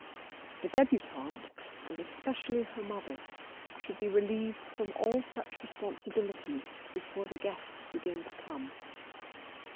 The debutante, and especially her mother, should be relieved from all such responsibilities before the guests begin to come.